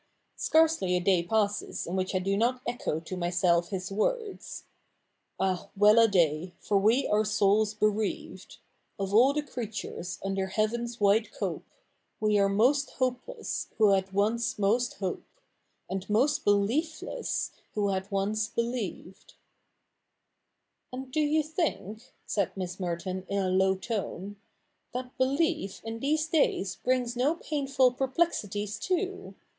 Scarcely a day passes in which I do not echo to myself his words :— Ah well a day, for we are souls bereaved ! Of all the creatures under heaven's wide cope, We are most hopeless who had once most hope, And most beliefless who had once believed.' 'And do you think," said Miss Merton in a low tone, ' that belief in these days brings no painful perplexities too